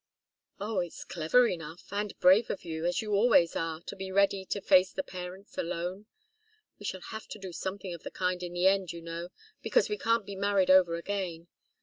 "Oh, it's clever enough, and brave of you as you always are to be ready to face the parents alone. We shall have to do something of the kind in the end, you know, because we can't be married over again.